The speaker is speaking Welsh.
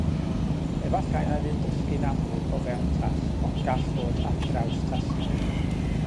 Efallai na fydd dysgu'n amlwg o fewn tasg ond gall fod ar draws tasgau.